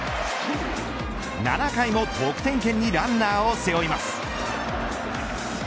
７回も得点圏にランナーを背負います。